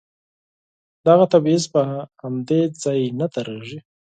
دغه تبعيض په همدې ځای نه درېږي.